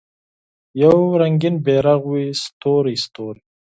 یو رنګین بیرغ وي ستوری، ستوری